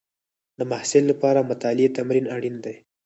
د محصل لپاره مطالعې تمرین اړین دی.